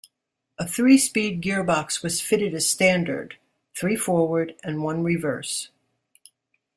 A three speed gearbox was fitted as standard; three forward and one reverse.